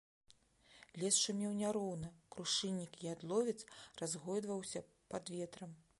Лес шумеў няроўна, крушыннік і ядловец разгойдваўся пад ветрам.